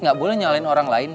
nggak boleh nyalain orang lain